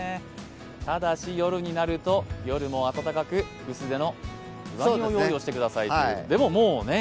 ただし、夜になると夜も暖かく薄手の上着の用意をしてください。